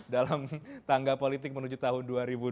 dalam tangga politik menuju tahun dua ribu dua puluh